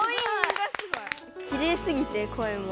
きれいすぎて声も。